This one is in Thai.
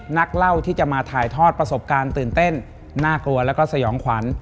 นักเล่าที่จะมาถ่ายทอดประสบการณ์ตื่นเต้นน่ากลัวแล้วก็สยองขวัญ